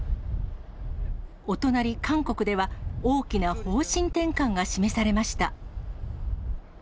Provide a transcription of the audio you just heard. お隣、韓国では大きな方針転換が示されました。